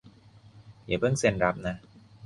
อย่าเพิ่งเซ็นรับนะ